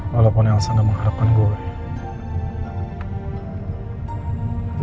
walaupun elsa gak mengharapkan gue